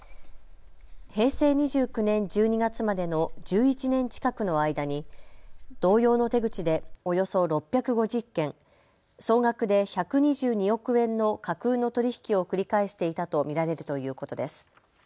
平成２９年１２月までの１１年近くの間に同様の手口でおよそ６５０件、総額で１２２億円の架空の取り引きを繰り返していたと見られるということです。